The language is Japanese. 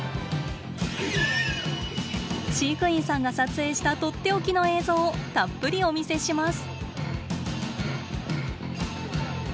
飼育員さんが撮影したとっておきの映像をたっぷりお見せします。